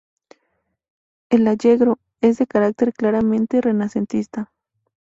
El "Allegro" es de carácter claramente renacentista.